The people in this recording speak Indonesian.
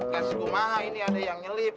kasih gue mah ini ada yang ngelip